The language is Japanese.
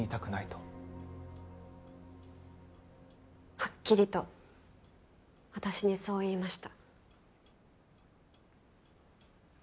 はっきりと私にそう言いました。